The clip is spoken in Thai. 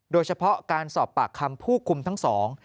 โดยเฉพาะการสอบปากคำผู้คุมทั้งสอง